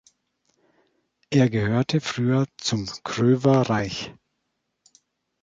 Er gehörte früher zum Kröver Reich.